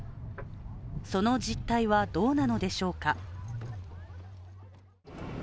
その実態はどうなのでしょうか。